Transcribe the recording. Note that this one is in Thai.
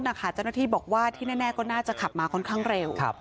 เจ้าหน้าที่บอกว่าที่แน่ก็น่าจะขับมาค่อนข้างเร็ว